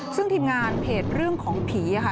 ซึ่งทีมงานเพจเรื่องของผีค่ะ